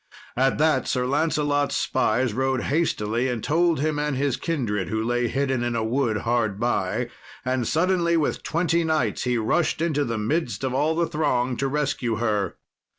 At that Sir Lancelot's spies rode hastily and told him and his kindred, who lay hidden in a wood hard by; and suddenly, with twenty knights, he rushed into the midst of all the throng to rescue her.